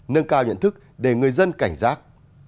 nâng cao nhận thức để người dân cảnh giác